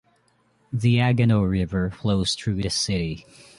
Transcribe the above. The Agano River flows through the city.